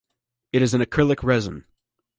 It is an acrylic resin.